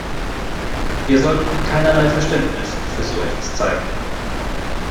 Wir sollten keinerlei Verständnis für so etwas zeigen!